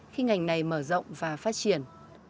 khi ngành này mở rộng và phát triển